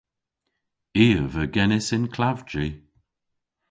I a veu genys yn klavji.